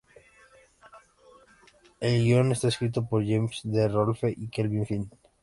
El guion está escrito por James D. Rolfe y Kevin Finn.